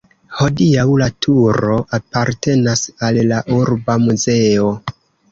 Hodiaŭ la turo apartenas al la urba muzeo.